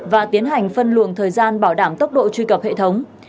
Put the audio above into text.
và tiến hành phân luồng thời gian bảo đảm tốc độ truy cập hệ thống